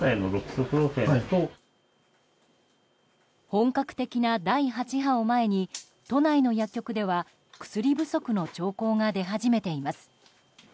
本格的な第８波を前に都内の薬局では薬不足の兆候が出始めています。